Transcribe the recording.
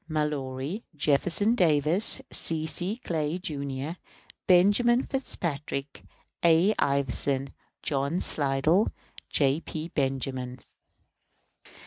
MALLORY, JEFFERSON DAVIS, C. C. CLAY, Jr., BENJAMIN FITZPATRICK, A. IVERSON, JOHN SLIDELL, J. P. BENJAMIN.